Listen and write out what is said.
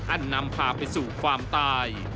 นำพาไปสู่ความตาย